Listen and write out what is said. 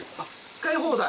使い放題！？